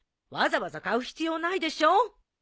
わざわざ買う必要ないでしょ。